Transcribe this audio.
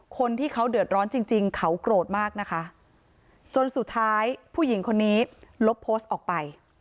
คนที่เขาเดือดร้อนจริงจริงเขาโกรธมากนะคะจนสุดท้ายผู้หญิงคนนี้ลบโพสต์ออกไป